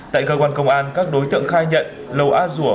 tại cơ quan công an các đối tượng khai nhận lầu a rùa